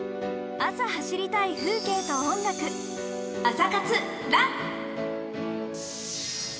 朝走りたい風景と音楽「朝活ＲＵＮ」